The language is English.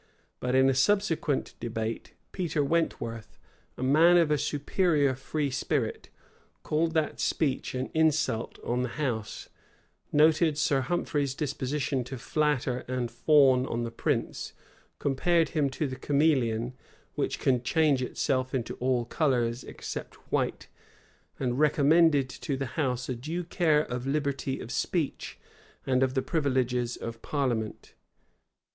But in a subsequent debate, Peter Wentworth, a man of a superior free spirit, called that speech an insult on the house; noted Sir Humphrey's disposition to flatter and fawn on the prince; compared him to the chameleon, which can change itself into all colors, except white; and recommended to the house a due care of liberty of speech, and of the privileges of parliament.